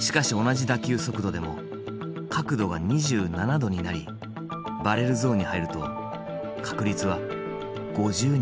しかし同じ打球速度でも角度が２７度になりバレルゾーンに入ると確率は５２％に跳ね上がる。